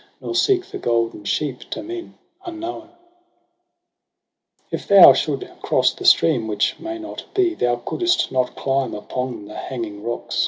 Nor seek the golden sheep to men unknown. DECEMBER 187 la ' If thou should cross the stream, which may not be Thou coudst not climb upon the hanging rocks.